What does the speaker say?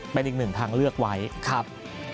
เป็นอีกหนึ่งทางเลือกไว้ครับ